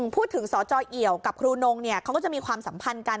พูดถึงสจเอี่ยวกับครูนงเขาก็จะมีความสัมพันธ์กัน